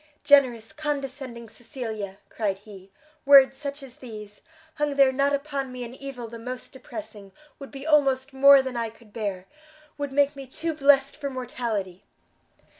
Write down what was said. "Generous, condescending Cecilia!" cried he; "Words such as these, hung there not upon me an evil the most depressing, would be almost more than I could bear would make me too blest for mortality!"